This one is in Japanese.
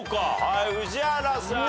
はい宇治原さん。